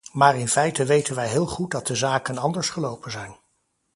Maar in feite weten wij heel goed dat de zaken anders gelopen zijn.